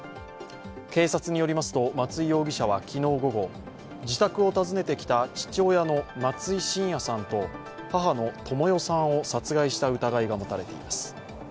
警察によりますと松井容疑者は昨日午後自宅を訪ねてきた父親の松井晋也さんと母の倫代さんを殺害した疑いが持たれています。